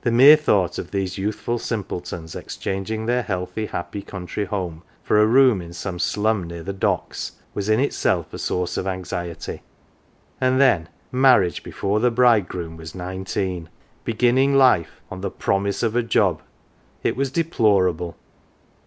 The mere thought of these youthful simpletons exchanging their healthy happy country home for a room in some slum near the docks was in itself a source of anxiety. And then marriage before the bridegroom was nineteen beginning life " on the promise of a job !" it was deplorable